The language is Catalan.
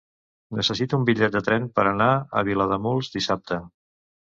Necessito un bitllet de tren per anar a Vilademuls dissabte.